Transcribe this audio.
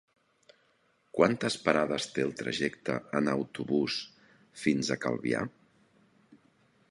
Quantes parades té el trajecte en autobús fins a Calvià?